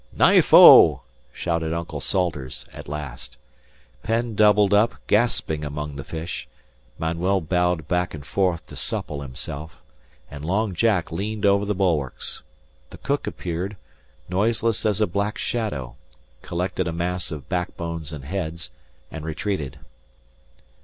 "Knife oh!" shouted Uncle Salters at last. Penn doubled up, gasping among the fish, Manuel bowed back and forth to supple himself, and Long Jack leaned over the bulwarks. The cook appeared, noiseless as a black shadow, collected a mass of backbones and heads, and retreated.